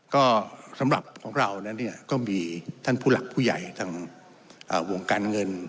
ก็สำหรับของเรานั้นเนี่ยก็มีท่านผู้หลักผู้ใหญ่ทางวงการเงิน